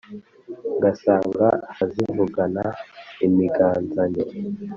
Ngasanga arazivugana imiganzanyo*.